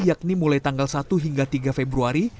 yakni mulai tanggal satu hingga tiga februari